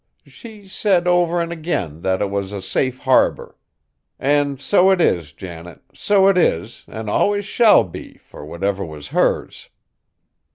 She said over an' agin that it was a safe harbor. An' so 't is, Janet, so 't is, an' allus shall be fur whatever was hers!